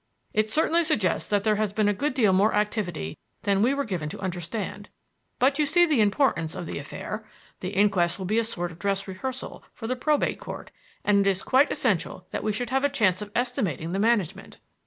"It certainly suggests that there has been a good deal more activity than we were given to understand. But you see the importance of the affair. The inquest will be a sort of dress rehearsal for the Probate Court, and it is quite essential that we should have a chance of estimating the management."